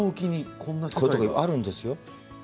こういうところがあるんですよ。